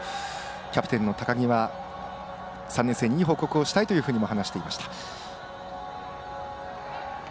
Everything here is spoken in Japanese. キャプテンの高木は３年生にいい報告をしたいというふうにも話していました。